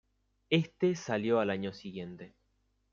Éste salió al año siguiente.